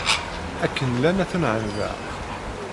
Akken llan ad ten-ɛandeɣ.